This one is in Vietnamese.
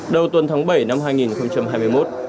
đầu tuần tháng bảy năm hai nghìn hai mươi một